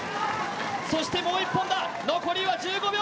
そしてもう１本だ、残りは１５秒。